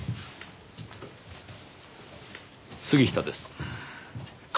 杉下です。